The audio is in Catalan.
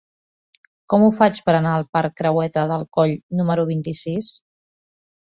Com ho faig per anar al parc Creueta del Coll número vint-i-sis?